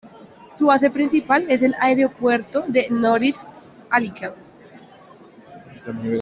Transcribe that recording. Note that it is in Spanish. Su base principal es el Aeropuerto de Norilsk-Alykel.